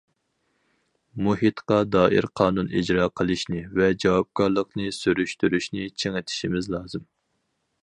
مۇھىتقا دائىر قانۇن ئىجرا قىلىشنى ۋە جاۋابكارلىقنى سۈرۈشتۈرۈشنى چىڭىتىشىمىز لازىم.